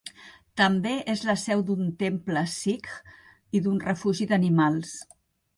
També és la seu d'un temple sikh i d'un refugi d'animals.